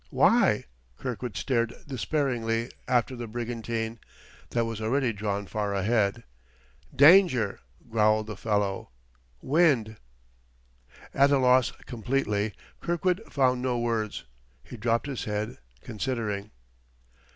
"Why?" Kirkwood stared despairingly after the brigantine, that was already drawn far ahead. "Danger," growled the fellow, " wind." At a loss completely, Kirkwood found no words. He dropped his head, considering.